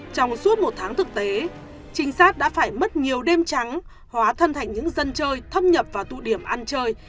trong suốt một tháng thực tế trinh sát đã phải mất nhiều đêm trắng hóa thân thành những dân chơi thâm nhập vào tụ điểm ăn chơi